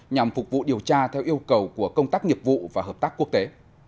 nhằm phục vụ điều tra theo yêu cầu của công tác nghiệp vụ và hợp tác quốc tế